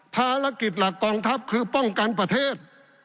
ภารกิจหลักกองทัพคือป้องกันประเทศ